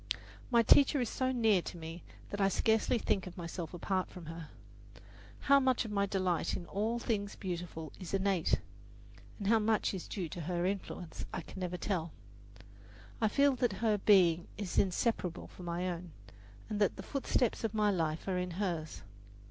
My teacher is so near to me that I scarcely think of myself apart from her. How much of my delight in all beautiful things is innate, and how much is due to her influence, I can never tell. I feel that her being is inseparable from my own, and that the footsteps of my life are in hers.